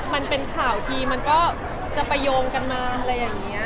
มันเป็นข่าวทีมันก็จะไปโยงกันมาอะไรอย่างนี้